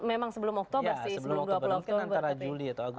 memang sebelum oktober sih sebelum dua puluh oktober